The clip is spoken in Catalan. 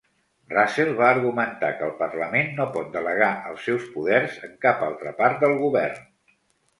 Russell va argumentar que el Parlament no pot delegar els seus poders en cap altra part del govern.